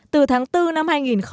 từ tháng bốn năm hai nghìn một mươi chín